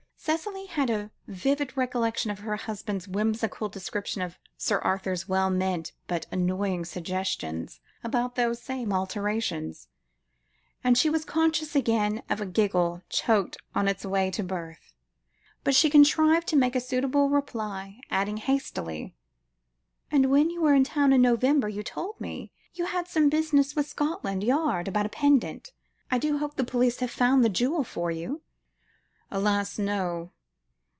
Cicely had a vivid recollection of her husband's whimsical description of Sir Arthur's well meant, but annoying, suggestions about those same alterations, and she was conscious again of a giggle choked on its way to birth, but she contrived to make a suitable reply, adding hastily "And when you were in town in November, you told me you had some business with Scotland Yard about a pendant. I do hope the police have found the jewel for you." "Alas! no.